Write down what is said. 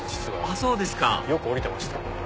あっそうですかよく降りてました。